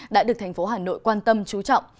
đã được thành phố hà nội quan tâm trú trọng